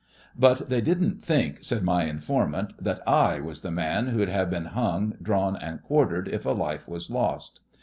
'But they didn't think,' said my informant, 'that I was the man who'd have been hung, drawn, and quartered if a life was lost.